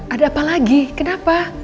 ada apa lagi kenapa